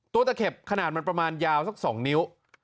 ตะเข็บขนาดมันประมาณยาวสัก๒นิ้ว